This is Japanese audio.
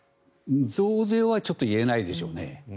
増税はちょっと言えないでしょうね。